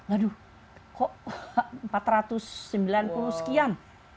aduh kok empat ratus sembilan puluh sekian